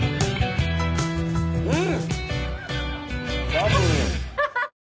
うん！